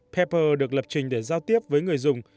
papper được lập trình để giao tiếp với người dùng